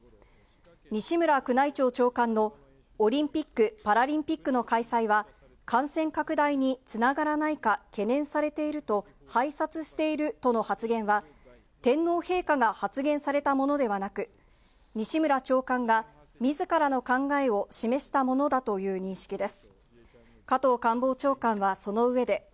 西村宮内庁長官のオリンピック・パラリンピックの開催は、感染拡大につながらないか懸念されていると拝察しているとの発言は、天皇陛下が発言されたものではなく、西村長官がみずからの考えを示したものだという認識です。